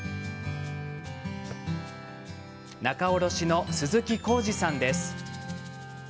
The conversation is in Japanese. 仲卸の鈴木孝治さんです。